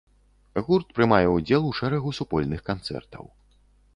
Гурт прымае ўдзел у шэрагу супольных канцэртаў.